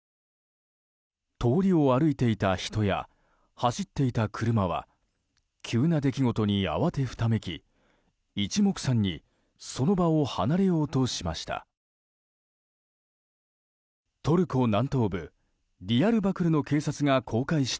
通りを歩いていた人や走っていた車は急な出来事に慌てふためき一目散にその場を離れようとしました。